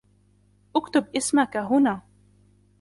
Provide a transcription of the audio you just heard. اكتب اسمك هنا.